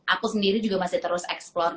aku sendiri juga masih terus eksplor